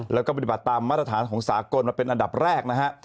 และก่อมี่บาทตามมาตรฐานของสาปกรณมันเป็นอันดับแรกนะฮะ